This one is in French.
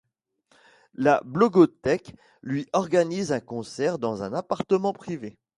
La Blogothèque lui organise un concert dans un appartement privé.